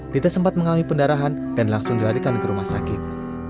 dite sempat mengalami pendarahan dan langsung dilarikan ke rumah sakit